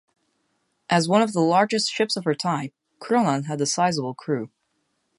As one of the largest ships of her time, "Kronan" had a sizable crew.